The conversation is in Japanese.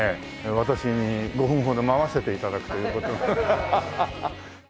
私に５分ほど舞わせて頂くという。